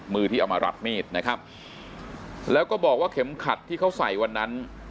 มือที่เอามารับมีดนะครับแล้วก็บอกว่าเข็มขัดที่เขาใส่วันนั้น